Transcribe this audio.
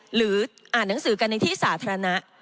หรืออ่านหนังสือกันในที่สาธารณะ